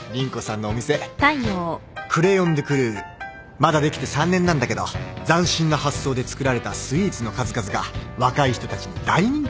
まだできて３年なんだけど斬新な発想で作られたスイーツの数々が若い人たちに大人気でね。